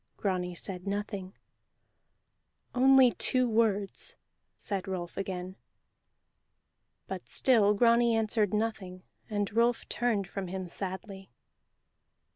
Grani said nothing. "Only two words," said Rolf again. But still Grani answered nothing, and Rolf turned from him sadly.